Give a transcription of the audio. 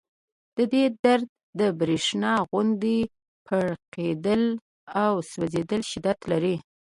د دې درد د برېښنا غوندې پړقېدلی او سوځنده شدت لري